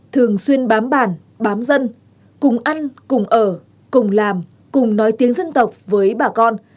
thường xuyên bám bàn bám dân cùng ăn cùng ở cùng làm cùng nói tiếng dân tộc với bà con